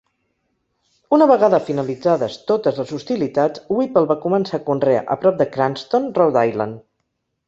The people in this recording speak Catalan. Una vegada finalitzades totes les hostilitats, Whipple va començar a conrear a prop de Cranston, Rhode Island.